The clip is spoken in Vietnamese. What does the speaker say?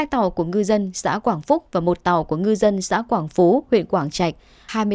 hai tàu của ngư dân xã quảng phúc và một tàu của ngư dân xã quảng phú huyện quảng trạch